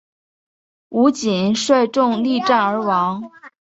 吴瑾率众力战而亡。